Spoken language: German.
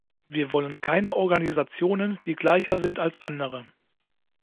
Wir wollen keine Organisationen, die gleicher sind als andere.